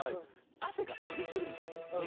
汗が飛び散るんですよね。